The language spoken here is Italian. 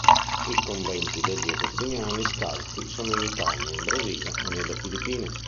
I conventi degli agostiniani scalzi sono in Italia, in Brasile e nelle Filippine.